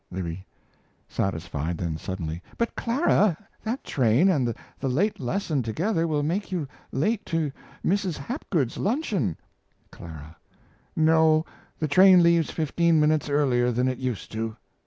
L. (satisfied, then suddenly). But, Clara, that train and the late lesson together will make you late to Mrs. Hapgood's luncheon. CL. No, the train leaves fifteen minutes earlier than it used to.